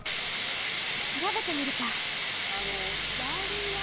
しらべてみるか。